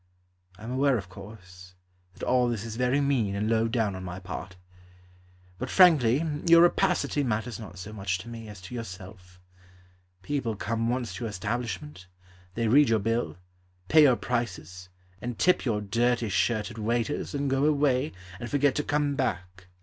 I am aware, of course, That all this is very mean And low down On my part, But frankly Your rapacity Matters not so much to me As to yourself. People come once to your establishment, They read your bill, Pay your prices And tip your dirty shirted waiters, And go away And forget to come back.